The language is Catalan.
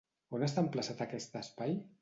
On està emplaçat aquest espai?